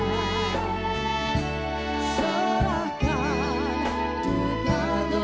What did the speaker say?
maksi berterima kasih sajalah